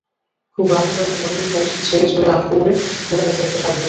খুব রাগ হল এবং মনে হল সমস্ত ছেড়ে-ছুড়ে আটপৌরে মোটাগোছের একটা শাড়ি পরি।